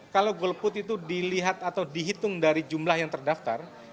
kalau golput itu dilihat atau dihitung dari jumlah yang terdaftar